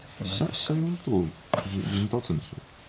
飛車寄ると銀立つんでしょう？